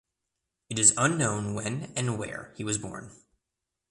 It is unknown when and where he was born.